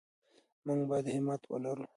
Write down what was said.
موږ باید همت ولرو.